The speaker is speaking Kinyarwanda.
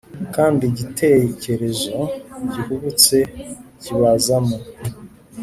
ikindi gitekerezo gihubutse kibazamo,